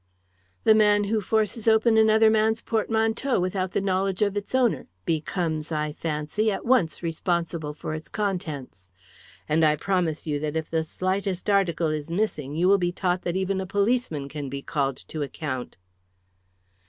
"The man who forces open another man's portmanteau without the knowledge of its owner becomes, I fancy, at once responsible for its contents. And I promise you that if the slightest article is missing you will be taught that even a policeman can be called to account."